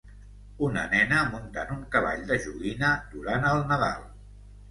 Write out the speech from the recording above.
Una nena muntant un cavall de joguina durant el Nadal.